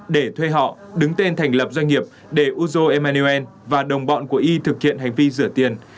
để thuê họ đứng tên thành lập doanh nghiệp để uzo emmanuel và đồng bọn của y thực hiện hành vi rửa tiền